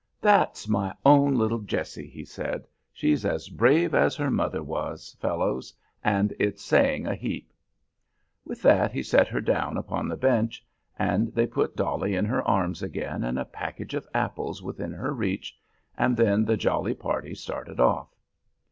"That's my own little Jessie!" he said. "She's as brave as her mother was, fellows, and it's saying a heap." With that he set her down upon the bench, and they put dolly in her arms again and a package of apples within her reach; and then the jolly party started off.